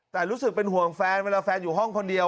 แต่รู้สึกเป็นห่วงแฟนเวลาแฟนอยู่ห้องคนเดียว